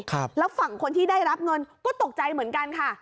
ครับแล้วฝั่งคนที่ได้รับเงินก็ตกใจเหมือนกันค่ะ